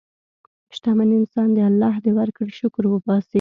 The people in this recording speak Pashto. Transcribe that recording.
شتمن انسان د الله د ورکړې شکر وباسي.